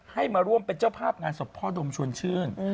ให้มาร่วมเป็นเจ้าภาพงานศพพ่อดมชวนชื่น